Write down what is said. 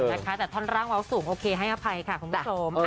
แต่ท่อนร่างเว้าสูงโอเคให้อภัยค่ะคุณผู้ชม